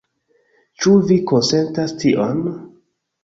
Ĉu vi konsentas tion?